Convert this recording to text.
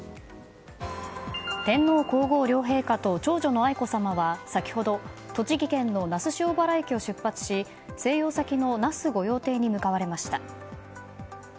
天皇・皇后両陛下と長女の愛子さまは先ほど、栃木県の那須塩原駅を出発し静養先の那須御用邸に向かわれました。